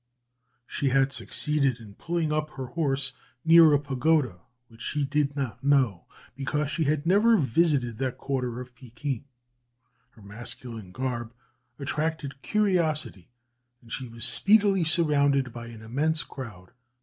She had succeeded in pulling up her horse near a pagoda, which she did not know, because she had never visited that quarter of Pekin; her masculine garb attracted curiosity, and she was speedily surrounded by an immense crowd.